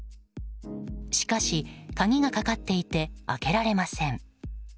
しかし、鍵がかかっていて開けられません。